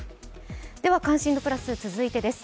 では「関心度プラス」続いてです。